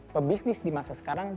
pebisnis di masa sekarang